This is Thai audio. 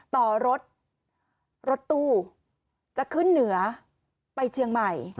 ต่อรถรถตู้จะขึ้นเหนือไปเชียงใหม่